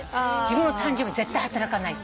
自分の誕生日絶対働かない。